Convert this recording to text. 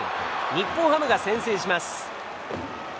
日本ハムが先制します。